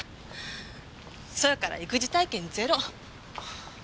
せやから育児体験ゼロ。